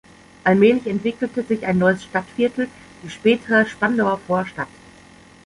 Allmählich entwickelte sich ein neues Stadtviertel, die spätere Spandauer Vorstadt.